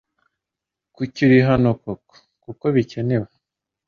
Kuki uri hano koko kuko bikenewe